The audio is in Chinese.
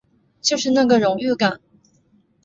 就是那个荣誉感